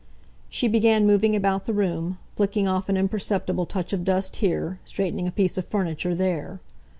She began moving about the room, flicking off an imperceptible touch of dust here, straightening a piece of furniture there.